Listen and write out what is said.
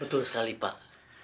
betul sekali pak